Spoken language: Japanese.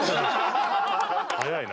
早いな。